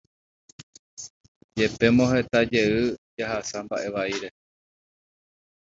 Jepémo heta jey jahasa mba'e vaíre